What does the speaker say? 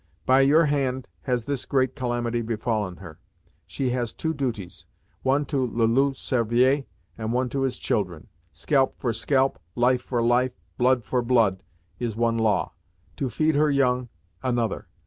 By your hand has this great calamity befallen her. She has two duties; one to le Loup Cervier, and one to his children. Scalp for scalp, life for life, blood for blood, is one law; to feed her young, another.